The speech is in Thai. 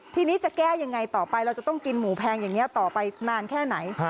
ทีนี้จะแก้ยังไงต่อไปเราจะต้องกินหมูแพงอย่างนี้ต่อไปนานแค่ไหน